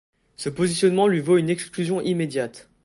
Ce positionnement lui vaut une exclusion immédiate.